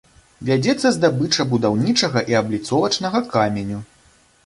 Вядзецца здабыча будаўнічага і абліцовачнага каменю.